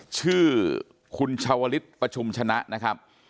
ชื่อคุณชาวลิศประชุมชนะนะครับ